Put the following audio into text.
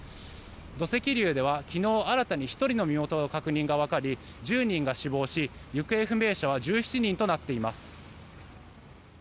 土石流では昨日、新たに１人の身元がわかり１０人が死亡し、行方不明者は１７人となっています。